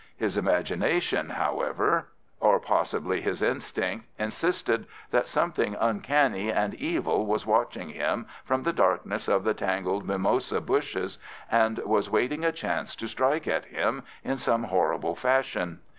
His imagination, however, or possibly his instinct, insisted that something uncanny and evil was watching him from the darkness of the tangled mimosa bushes, and was waiting a chance to strike at him in some horrible fashion.